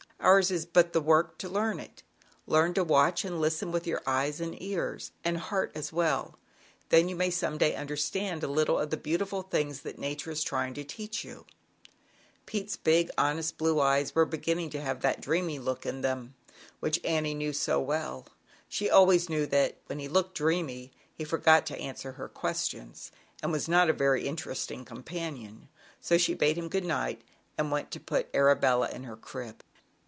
Ours is but the work to learn it: learn to watch and listen kJ^^wWjy with your eyes and ears, and heart as well, then you may some day understand a little of the beautiful things that o Nature is trying to teach you." Pete's big, honest blue eyes were inning to have that dreamy look in ZAUBERLINDA, THE WISE WITCH. 65 them which Annie knew so well. She also knew that when he looked dreamy, he forgot to answer her ques tions, and was not a very interesting companion, so she bade him good night and went in to put Arabella in her crib.